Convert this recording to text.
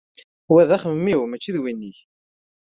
Wa d axemmem-iw mačči d win-ik.